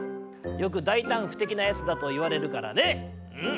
よく大胆不敵なやつだといわれるからねうん。